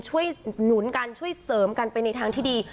หนุนกันช่วยเสริมกันไปในทางที่ดี